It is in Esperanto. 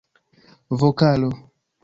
vokalo